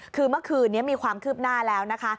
คือเมื่อคืนนี้มีความคืบหน้าแล้วนะคะ